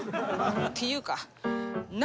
っていうか何？